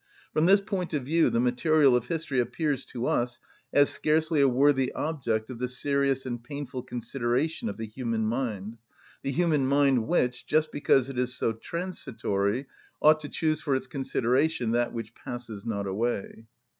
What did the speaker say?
From this point of view the material of history appears to us as scarcely a worthy object of the serious and painful consideration of the human mind, the human mind which, just because it is so transitory, ought to choose for its consideration that which passes not away.